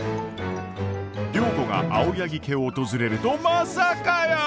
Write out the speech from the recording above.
良子が青柳家を訪れるとまさかやー！